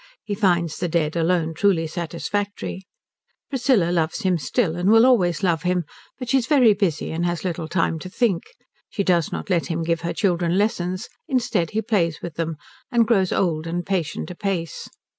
He finds the dead alone truly satisfactory. Priscilla loves him still and will always love him, but she is very busy and has little time to think. She does not let him give her children lessons; instead he plays with them, and grows old and patient apace.